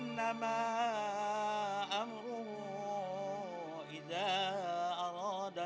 sampai jumpa di video selanjutnya